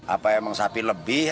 apa emang sapi lebih